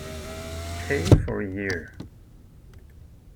Pei for a year.